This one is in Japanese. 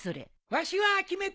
わしは決めたぞ。